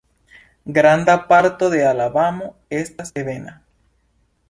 Granda parto de Alabamo estas ebena.